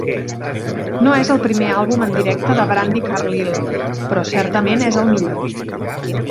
"No és el primer àlbum en directe de Brandi Carlile, però certament és el millor."